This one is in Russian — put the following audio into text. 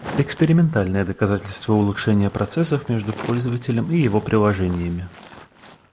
Экспериментальное доказательство улучшения процессов между пользователем и его приложениями.